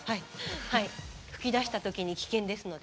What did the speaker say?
噴き出した時に危険ですので。